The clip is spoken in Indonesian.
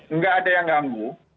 enggak ada yang nganggu